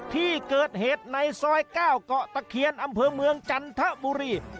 ที่เกิดเหตุในซอย๙เกาะตะเคียนอำเภอเมืองจันทบุรี